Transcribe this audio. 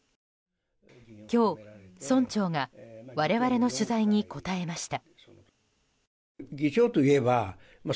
今日、村長が我々の取材に答えました。